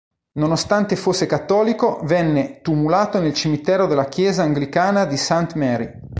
Nonostante fosse cattolico venne tumulato nel cimitero della chiesa anglicana di St. Mary.